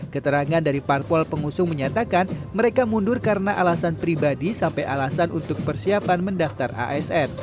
keterangan dari parpol pengusung menyatakan mereka mundur karena alasan pribadi sampai alasan untuk persiapan mendaftar asn